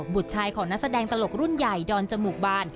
บุตรชายของนักแสดงตลกรุ่นใหญ่ดอนจมูกบาน